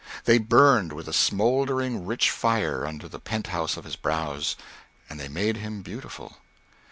They burned with a smouldering rich fire under the penthouse of his brows, and they made him beautiful.